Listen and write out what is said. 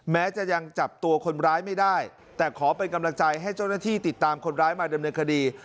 แม้จะยังจับตัวคนร้ายไม่ได้แต่ขอเป็นกำลังใจให้เจ้าหน้าที่ติดตามคนร้ายมาดำเนินคดี